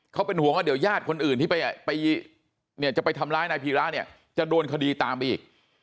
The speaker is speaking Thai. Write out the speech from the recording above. เขาเป็นห่วงว่าเดี๋ยวญาติคนอื่นที่ไปจะไปทำร้ายนายพีระเนี่ยจะโดนคดีตามไปอีก